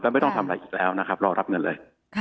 ไม่ต้องทำอะไรอีกแล้วนะครับรอรับเงินเลย